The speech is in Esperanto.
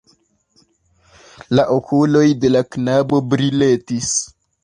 La okuloj de la knabo briletis.